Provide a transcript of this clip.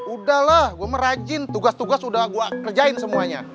udahlah gua merajin tugas tugas udah gua kerjain semuanya